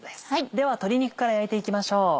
では鶏肉から焼いていきましょう。